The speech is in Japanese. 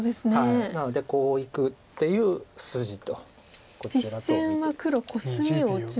なのでこういくっていう筋とこちらとを見て。